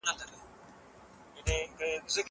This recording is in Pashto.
زه به سبا د زده کړو تمرين کوم!